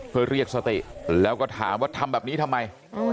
เพื่อเรียกสติแล้วก็ถามว่าทำแบบนี้ทำไม